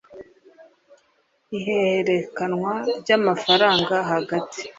ihererekanwa ry amafaranga hagati